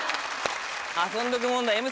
遊んどくもんだ。